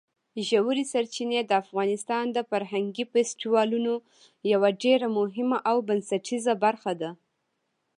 ژورې سرچینې د افغانستان د فرهنګي فستیوالونو یوه ډېره مهمه او بنسټیزه برخه ده.